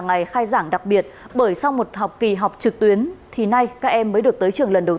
ngày khai giảng đặc biệt bởi sau một học kỳ học trực tuyến thì nay các em mới được tới trường lần đầu